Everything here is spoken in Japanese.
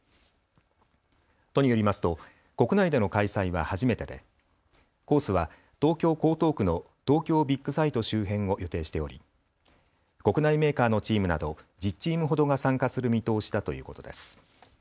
都によりますと国内での開催は初めてでコースは東京江東区の東京ビッグサイト周辺を予定しており国内メーカーのチームなど１０チームほどが参加する見通しだということです。